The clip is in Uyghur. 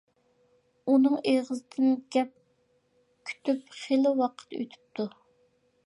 ئۇنىڭ ئېغىزىدىن گەپ كۈتۈپ خېلى ۋاقىت ئۆتۈپتۇ.